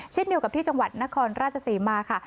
เดียวกับที่จังหวัดนครราชศรีมาค่ะ